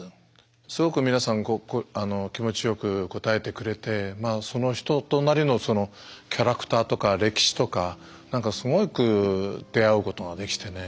すごく皆さん気持ちよく応えてくれてその人となりのそのキャラクターとか歴史とかすごく出会うことができてね